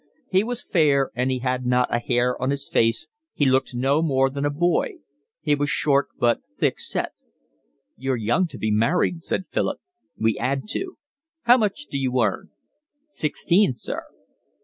He was fair, and he had not a hair on his face, he looked no more than a boy; he was short, but thick set. "You're young to be married," said Philip. "We 'ad to." "How much d'you earn?" "Sixteen, sir."